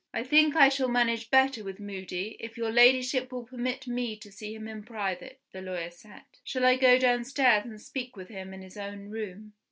"I think I shall manage better with Moody, if your Ladyship will permit me to see him in private," the lawyer said. "Shall I go downstairs and speak with him in his own room?"